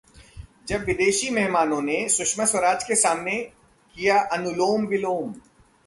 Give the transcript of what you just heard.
जब विदेशी मेहमानों ने सुषमा स्वराज के सामने किया अनुलोम-विलोम